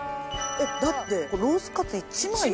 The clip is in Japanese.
だってこれロースカツ１枚よ。